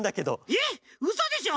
えっうそでしょ？